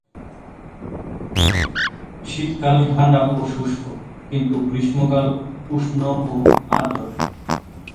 শীতকাল ঠাণ্ডা ও শুষ্ক, কিন্তু গ্রীষ্মকাল উষ্ণ ও আর্দ্র।